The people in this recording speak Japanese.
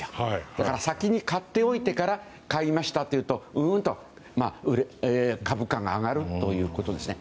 だから、先に買っておいてから買いましたと言うとうわーって株価が上がるということですね。